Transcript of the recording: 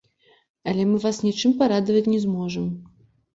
Але мы вас нічым парадаваць не зможам.